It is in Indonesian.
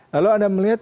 lalu anda melihat